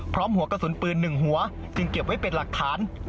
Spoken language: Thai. หัวกระสุนปืน๑หัวจึงเก็บไว้เป็นหลักฐาน